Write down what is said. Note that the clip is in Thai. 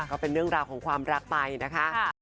ก็เป็นเรื่องราวของความรักไปนะคะ